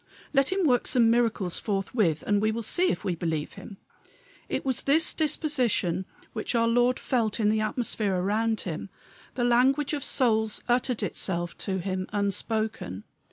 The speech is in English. Let him work some miracles forthwith, and we will see if we will believe." It was this disposition which our Lord felt in the atmosphere around him; the language of souls uttered itself to him unspoken.